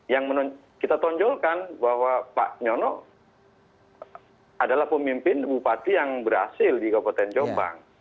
yang kita tonjolkan bahwa pak nyono adalah pemimpin bupati yang berhasil di kabupaten jombang